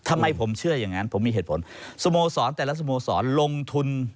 ทำไมผมเชื่ออย่างนั้นผมมีเหตุผลสโมสรแต่ละสโมสรลงทุน